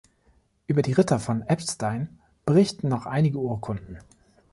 Über die Ritter von Eppstein berichten noch einige Urkunden.